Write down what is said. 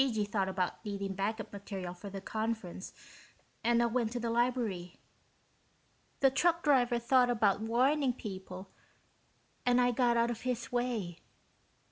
G.G. thought about needing backup material for the conference and I went to the library. The truck driver thought about warning people and I got out of his way.